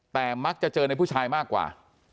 แต่มักจะเจอในผู้ชายมากกว่า